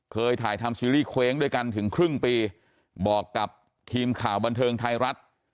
เคยถ่ายทำซีรีส์เคว้งด้วยกันถึงครึ่งปีบอกกับทีมข่าวบันเทิงไทยรัฐ